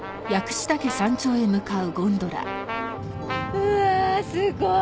うわすごい！